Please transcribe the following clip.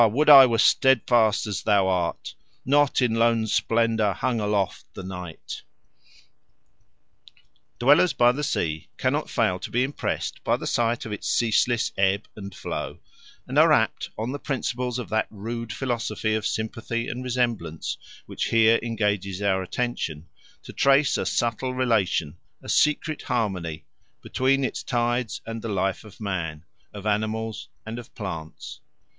would I were steadfast as thou art Not in lone splendour hung aloft the night. Dwellers by the sea cannot fail to be impressed by the sight of its ceaseless ebb and flow, and are apt, on the principles of that rude philosophy of sympathy and resemblance which here engages our attention, to trace a subtle relation, a secret harmony, between its tides and the life of man, of animals, and of plants.